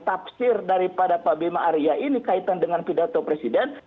tafsir daripada pak bima arya ini kaitan dengan pidato presiden